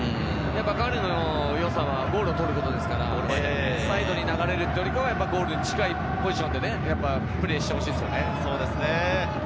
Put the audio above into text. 彼の良さはボールを取ることですから、サイドに流れるよりは、ゴールに近いポジションでプレーしてほしいですね。